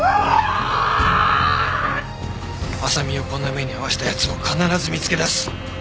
麻未をこんな目に遭わせた奴を必ず見つけ出す！